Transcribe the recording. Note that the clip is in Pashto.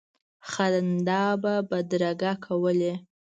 خندا به بدرګه کولې.